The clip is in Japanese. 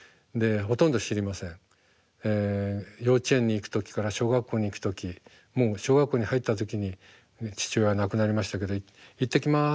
幼稚園に行く時から小学校に行く時もう小学校に入った時に父親は亡くなりましたけど「いってきます」